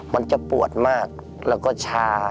มันจะปวดมากแล้วก็ชา